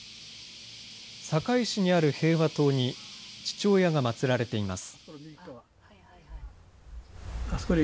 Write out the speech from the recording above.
堺市にある平和塔に父親がまつられています。